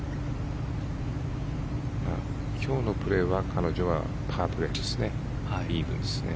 今日のプレーは彼女はパープレーですね。